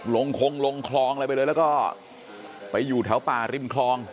ลงคงลงคลองอะไรไปเลยแล้วก็ไปอยู่แถวป่าริมคลอง